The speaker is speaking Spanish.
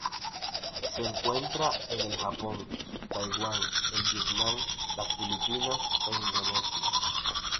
Se encuentra en el Japón, Taiwán, el Vietnam, las Filipinas e Indonesia.